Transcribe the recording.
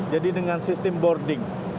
jadi dengan sistem boarding